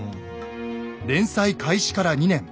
連載開始から２年。